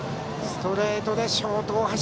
ストレートでショート、大橋。